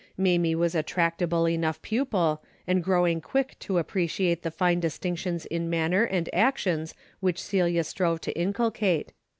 Mamie was a tractable enough pupil, and growing quick to appreciate the fine distinc tions in manner and actions which Celia strove to inculcate.